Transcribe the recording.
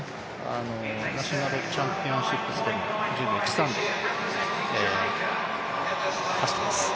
ナショナルチャンピオンシップスでも１０秒１３で走っています。